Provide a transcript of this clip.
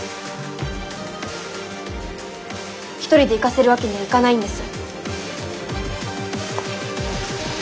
一人で行かせるわけにはいかないんです。